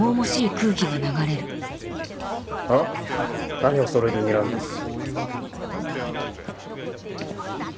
何おそろいでにらんでんの？